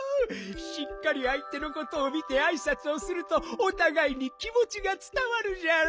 しっかりあい手のことを見てあいさつをするとおたがいに気もちがつたわるじゃろ？